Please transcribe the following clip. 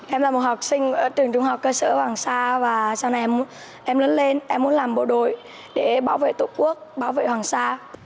em là một học sinh ở trường trung học cơ sở hoàng sa và sau này em lớn lên em muốn làm bộ đội để bảo vệ tổ quốc bảo vệ hoàng sa